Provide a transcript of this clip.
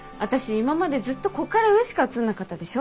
今までずっとこっから上しか映んなかったでしょ？